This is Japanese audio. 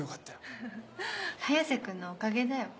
フフフ早瀬君のおかげだよ。